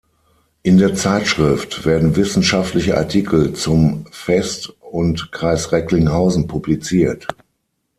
In der Zeitschrift werden wissenschaftliche Artikel zum Vest und Kreis Recklinghausen publiziert.